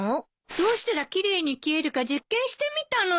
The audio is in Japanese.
どうしたら奇麗に消えるか実験してみたのよ。